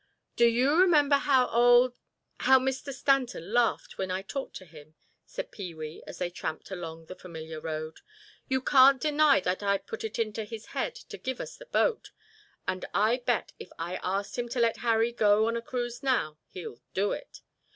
"Do you remember how old—how Mr. Stanton laughed when I talked to him?" said Pee wee as they tramped along the familiar road. "You can't deny that I put it into his head to give us the boat. And I bet if I ask him to let Harry go on a cruise now, he'll do it.